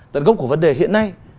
tận gốc của vấn đề hiện nay